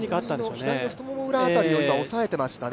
左の太股裏辺りを押さえていましたね。